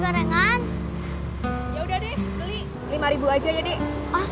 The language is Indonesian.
gorengan ya udah deh beli lima ribu aja jadi ya